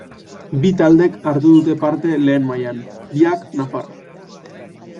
Bi taldek hartu dute parte Lehen Mailan, biak nafarrak.